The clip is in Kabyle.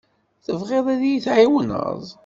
Tebɣiḍ ad iyi-tɛiwneḍ?